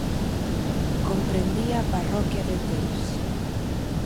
Comprendía a parroquia de Teis.